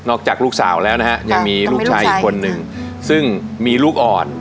จากลูกสาวแล้วนะฮะยังมีลูกชายอีกคนนึงซึ่งมีลูกอ่อน